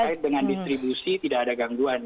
terkait dengan distribusi tidak ada gangguan